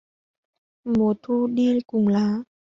Mùa thu đi cùng lá